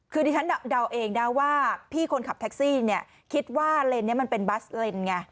คือดิฉันเดาเองนะว่าพี่คนขับแท็กซี่เนี่ยคิดว่าเลนส์นี้มันเป็นบัสเลนไง